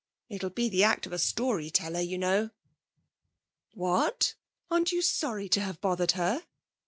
It'll be the act of a story teller, you know.' 'What! Aren't you sorry to have bothered her?'